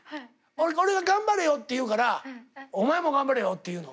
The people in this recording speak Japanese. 俺が「頑張れよ」って言うから「お前も頑張れよ！」って言うの。